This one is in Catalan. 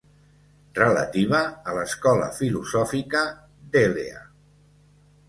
Relativa a l'escola filosòfica d'Èlea.